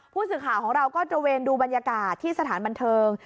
ผู้สื่อข่าวของเราก็ตระเวนดูบรรยากาศที่สถานบันเทิง